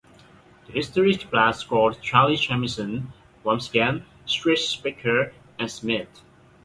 The historic blast scored Charlie Jamieson, Wambsganss, Tris Speaker, and Smith.